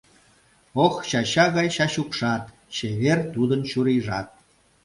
Ох, чача гай Чачукшат, чевер тудын чурийжат.